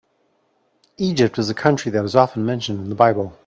Egypt is a country that is often mentioned in the Bible.